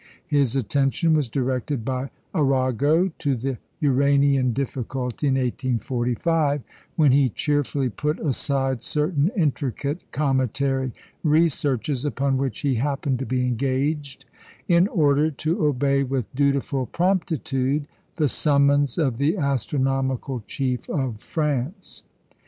His attention was directed by Arago to the Uranian difficulty in 1845, when he cheerfully put aside certain intricate cometary researches upon which he happened to be engaged, in order to obey with dutiful promptitude the summons of the astronomical chief of France.